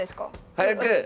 早く！